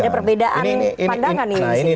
ada perbedaan pandangan ini